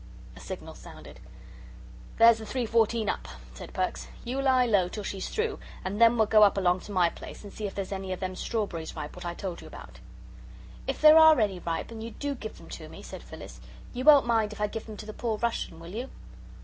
A signal sounded. "There's the 3.14 up," said Perks. "You lie low till she's through, and then we'll go up along to my place, and see if there's any of them strawberries ripe what I told you about." "If there are any ripe, and you DO give them to me," said Phyllis, "you won't mind if I give them to the poor Russian, will you?"